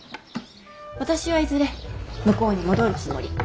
私はいずれ向こうに戻るつもり。